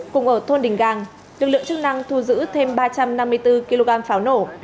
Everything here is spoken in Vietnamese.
cùng ở thôn đình gàng lực lượng chức năng thu giữ thêm ba trăm năm mươi bốn kg pháo nổ